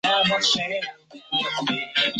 淋巴结的增大经常代表异常。